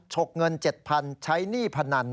ฉกเงิน๗๐๐ใช้หนี้พนัน